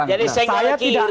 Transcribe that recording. jadi saya tidak